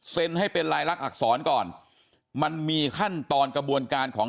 ให้เป็นลายลักษรก่อนมันมีขั้นตอนกระบวนการของ